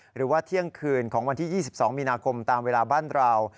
หรือว่าเที่ยงคืนของวันที่๒๒มีนาคมตามเวลาบ้านเรา